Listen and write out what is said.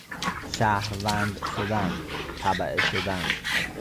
شهروند شدن، تبعه شدن